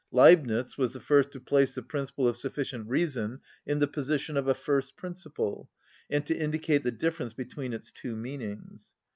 Leibnitz was the first to place the principle of sufficient reason in the position of a first principle, and to indicate the difference between its two meanings.